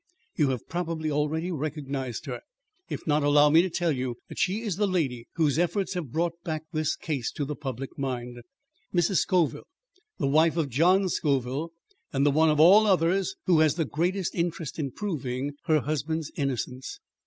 You have probably already recognised her. If not, allow me to tell you that she is the lady whose efforts have brought back this case to the public mind: Mrs. Scoville, the wife of John Scoville and the one of all others who has the greatest interest in proving her husband's innocence.